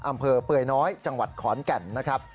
อำเภอเปื่อยน้อยจังหวัดขอนแก่นนะครับ